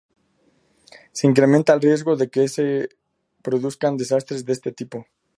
Se incrementa el riesgo de que se produzcan desastres de este tipo